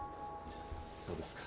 そうですか。